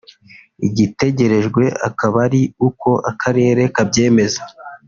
igitegerejwe akaba ari uko akarere kabyemeza